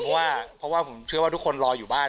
เพราะว่าผมเชื่อว่าทุกคนรออยู่บ้าน